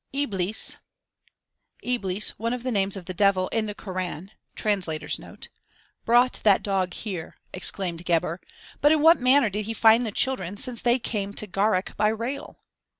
"Iblis* [* Iblis, one of the names of the devil in the Koran. Translator's note.] brought that dog here," exclaimed Gebhr, "but in what manner did he find the children, since they came to Gharak by rail?"